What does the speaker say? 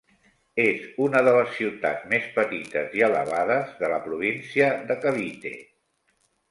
És una de les ciutats més petites i elevades de la província de Cavite.